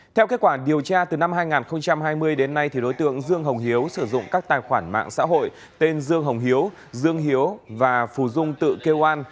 theo kết quả điều tra từ năm hai nghìn hai mươi đến nay đối tượng dương hồng hiếu sử dụng các tài khoản mạng xã hội tên dương hồng hiếu dương hiếu và phù dung tự kêu an